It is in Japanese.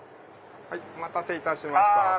お待たせいたしました。